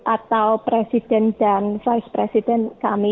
atau presiden dan vice president kami